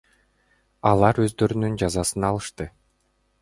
Алар өздөрүнүн жазасын алышты.